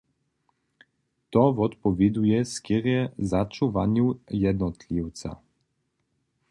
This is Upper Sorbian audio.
To wotpowěduje skerje začuwanju jednotliwca.